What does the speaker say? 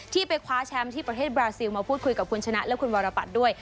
ไปคว้าแชมป์ที่ประเทศบราซิลมาพูดคุยกับคุณชนะและคุณวรปัตรด้วย